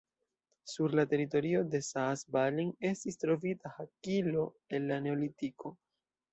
Sur la teritorio de Saas-Balen estis trovita hakilo el la neolitiko.